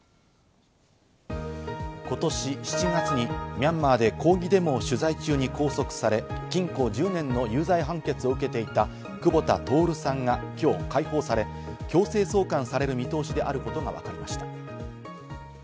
今年７月にミャンマーで抗議デモを取材中に拘束され、禁錮１０年の有罪判決を受けていた久保田徹さんが今日開放され、強制送還される見通しであることがわかりました。